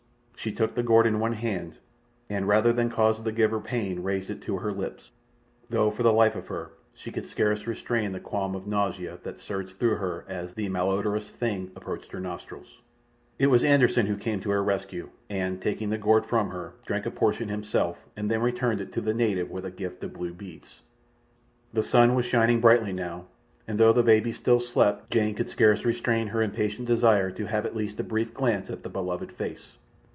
She took the gourd in one hand, and rather than cause the giver pain raised it to her lips, though for the life of her she could scarce restrain the qualm of nausea that surged through her as the malodorous thing approached her nostrils. It was Anderssen who came to her rescue, and taking the gourd from her, drank a portion himself, and then returned it to the native with a gift of blue beads. The sun was shining brightly now, and though the baby still slept, Jane could scarce restrain her impatient desire to have at least a brief glance at the beloved face.